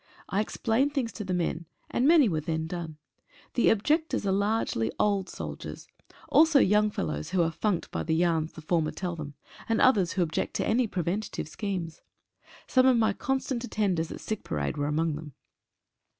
I explained things to the men, and many were then done. The ob jectors are largely old soldiers, also young fellows who 10 TO THE FRONT. are funked by the yarns the former tell them, and others who object to any preventative schemes. Some of my constant attenders at sick parade were among them.